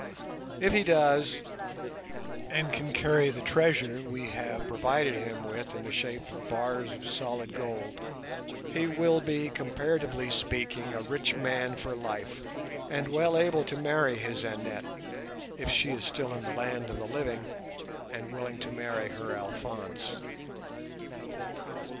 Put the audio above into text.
If he does, and can carry the treasure we have provided him with in the shape of bars of solid gold, he will be, comparatively speaking, a rich man for life, and well able to marry his Annette, if she is still in the land of the living and willing to marry her Alphonse.